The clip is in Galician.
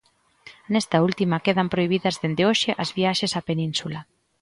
Nesta última quedan prohibidas dende hoxe as viaxes á Península.